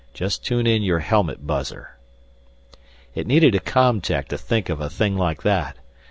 Just tune in your helmet buzzer." It needed a com tech to think of a thing like that!